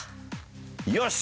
よし！